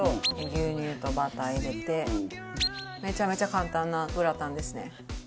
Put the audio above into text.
「牛乳とバター入れて」「めちゃめちゃ簡単なグラタンですね」